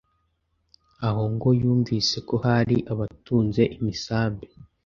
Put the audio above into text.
aho ngo yumvise ko hari abatunze imisambi,